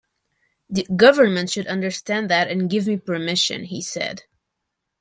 The government should understand that and give me permission, he said.